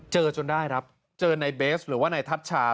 เจอจนได้ครับเจอในเบสน์หรือว่าในทัชชา